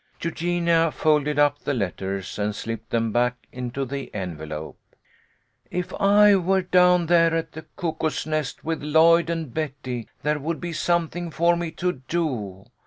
Eugenia folded up the letters, and slipped them back into the envelope. "If I were down there at the Cuckoo's Nest with Lloyd and Betty, there would be something for me to do.